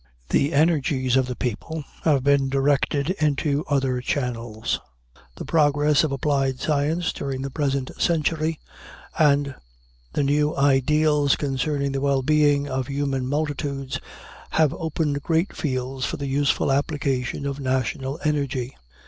The energies of the people have been directed into other channels. The progress of applied science during the present century, and the new ideals concerning the well being of human multitudes, have opened great fields for the useful application of national energy.